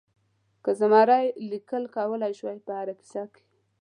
که زمری لیکل کولای شول په هره کیسه کې.